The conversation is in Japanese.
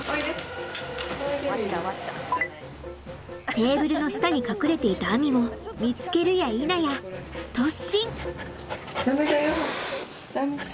テーブルの下に隠れていたあみを見つけるやいなや突進！